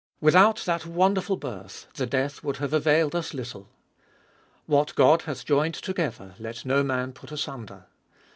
Without that wonderful birth the death would have availed us little. What God hath joined together let no man put asunder.